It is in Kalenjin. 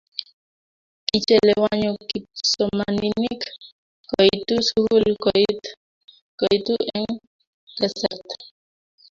Kichelewanyo kipsomaninik koitu sukul koitu eng kasarta